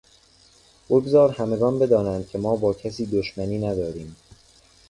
بگذار همگان بدانند که ما با کسی دشمنی نداریم.